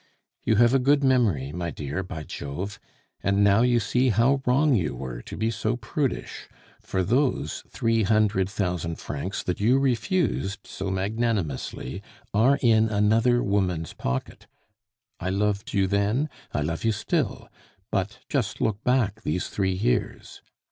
"You have a good memory, my dear, by Jove! And now you see how wrong you were to be so prudish, for those three hundred thousand francs that you refused so magnanimously are in another woman's pocket. I loved you then, I love you still; but just look back these three years.